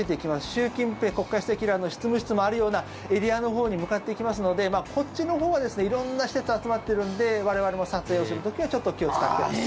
習近平国家主席らの執務室もあるようなエリアのほうに向かっていきますのでこっちのほうは色んな施設が集まっているので我々も撮影をする時はちょっと気を使っています。